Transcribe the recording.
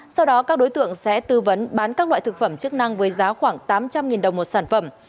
sau đó các đối tượng sẽ tư vấn bán các loại thực phẩm chức năng với giá khoảng tám trăm linh đồng một sản phẩm